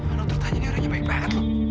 anak tertanya ini orangnya baik banget loh